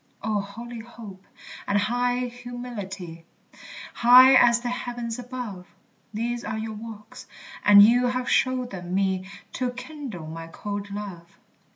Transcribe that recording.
O holy hope! and high humility, High as the heavens above! These are your walks, and you have showed them me To kindle my cold love.